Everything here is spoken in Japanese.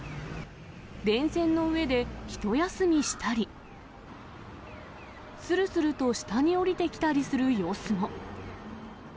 電線の上でひと休みしたり、するすると下に降りてきたりする様子も。